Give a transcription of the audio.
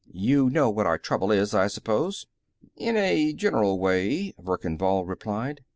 You know what our trouble is, I suppose?" "In a general way," Verkan Vall replied.